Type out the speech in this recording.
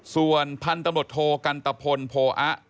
ส่วนพันธบทศิษย์โทกันตะพลโพอะ